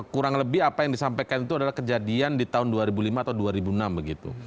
kurang lebih apa yang disampaikan itu adalah kejadian di tahun dua ribu lima atau dua ribu enam begitu